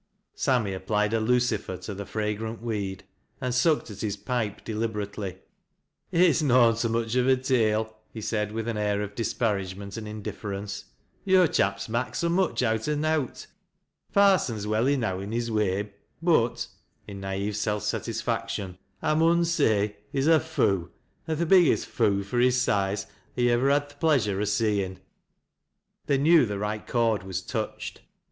Sammy applied a lueifer to the fragrant weed, and sucked at his pipe deliberately. " It's noan so much of a tale," he said, with an air of disparagement and indifference. "Yo' chaps mak' so much out o' nowt. Th' parson's well enow i' his way, but," in naive self satisfaction, " I mun say he's a foo', an th' biggest foo' fur his size I ivver had th' pleasure o' seein'." They knew the right chord was touched.